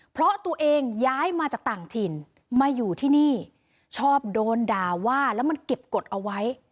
เพราะตัวเองย้ายมาจากต่างถิ่นมาอยู่ที่นี่ชอบโดนด่าว่าแล้วมันเก็บกฎเอาไว้